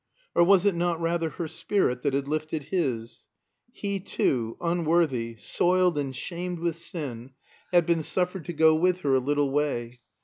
Or was it not rather her spirit that had lifted his? He too, unworthy, soiled and shamed with sin, had been suffered to go with her a little way.